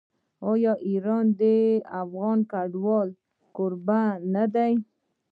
آیا ایران د افغان کډوالو کوربه نه دی؟